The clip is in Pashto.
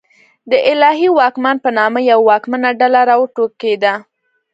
د الهي واکمن په نامه یوه واکمنه ډله راوټوکېده.